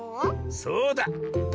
そうだ。